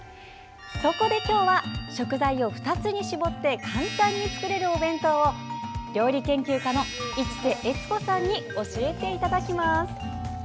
そこで今日は食材を２つに絞って簡単に作れるお弁当を料理研究家の市瀬悦子さんに教えていただきます。